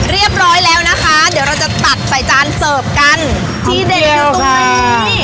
เรียบร้อยแล้วนะคะเดี๋ยวเราจะตัดใส่จานเสิร์ฟกันที่เด็ดอยู่ตรงนี้